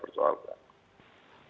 perdialogkan apa sih sebetulnya yang dia